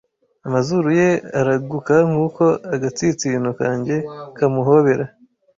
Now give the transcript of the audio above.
Amazuru ye araguka nkuko agatsinsino kanjye kamuhobera,